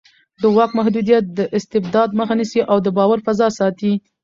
د واک محدودیت د استبداد مخه نیسي او د باور فضا ساتي